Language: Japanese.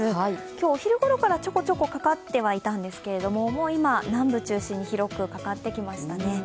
今日お昼ごろから、ちょこちょこかかってはいたんですけど、もう今、南部中心に広くかかってきましたね。